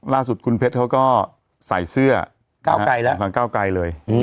ล่าสุดคุณเพชรเขาก็ใส่เสื้อหลังเก้าไก่เลย